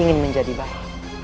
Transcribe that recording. ingin menjadi baik